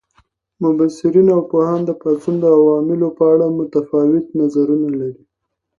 مبصرین او پوهان د پاڅون د عواملو په اړه متفاوت نظرونه لري.